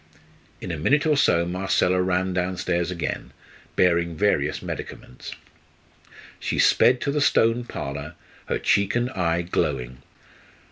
In a minute or so Marcella ran downstairs again, bearing various medicaments. She sped to the Stone Parlour, her cheek and eye glowing.